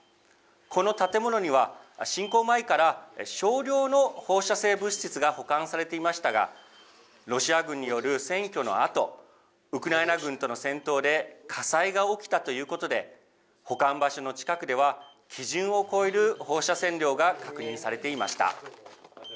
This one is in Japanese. この建物には、侵攻前から少量の放射性物質が保管されていましたが、ロシア軍による占拠のあと、ウクライナ軍との戦闘で火災が起きたということで、保管場所の近くでは、基準を超える放射線量が確認されていました。